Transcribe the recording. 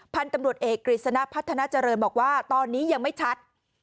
พันธุ์ตำรวจเอกกฤษณะพัฒนาเจริญบอกว่าตอนนี้ยังไม่ชัด